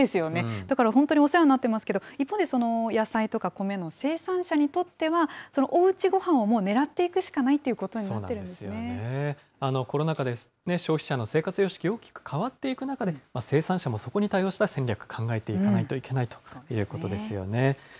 だから本当にお世話になってますけど、一方で、野菜とか米の生産者にとっては、そのおうちごはんをもうねらっていくしかないということになってコロナ禍で消費者の生活様式、大きく変わっていく中で、生産者もそこに対応した戦略、考えていかないといけないということですよね。